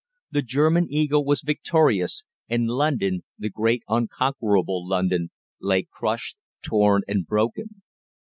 The German Eagle was victorious, and London the great unconquerable London lay crushed, torn, and broken.